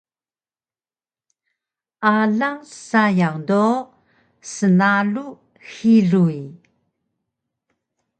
Alang sayang do snalu xiluy